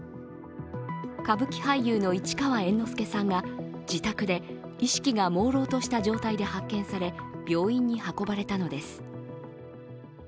歌舞伎俳優の市川猿之助さんが自宅で意識がもうろうとした状態で発見され病院に運ばれたのです。